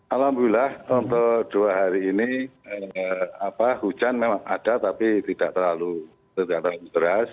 alhamdulillah untuk dua hari ini hujan memang ada tapi tidak terlalu deras